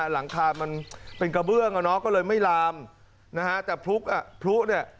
หลังคามันเป็นกระเบื้องอ่ะเนอะก็เลยไม่ลามนะฮะแต่พลุอ่ะพลุเนี่ย